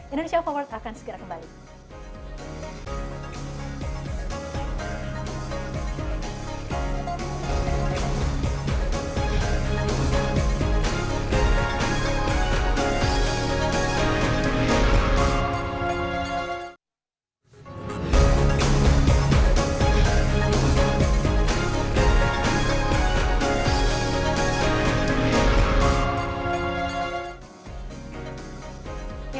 indonesia overworld akan segera kembali